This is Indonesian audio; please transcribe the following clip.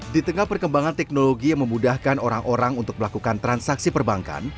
di tengah perkembangan teknologi yang memudahkan orang orang untuk melakukan transaksi perbankan